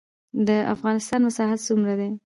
د افغانستان مساحت څومره دی؟